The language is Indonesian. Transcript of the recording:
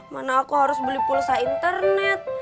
mana aku harus beli pulsa internet